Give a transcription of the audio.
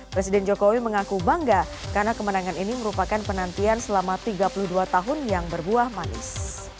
presiden jokowi mengaku bangga karena kemenangan ini merupakan penantian selama tiga puluh dua tahun yang berbuah manis